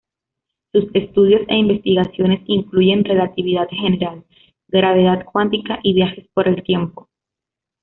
Sus estudios e investigaciones incluyen relatividad general, gravedad cuántica y viajes por el tiempo.